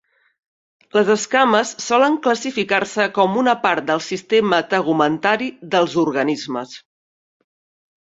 Les escames solen classificar-se com una part del sistema tegumentari dels organismes.